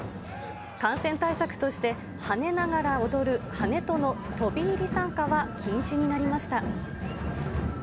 感染対策として、跳ねながら踊るハネトの飛び入り参加は禁止になりました。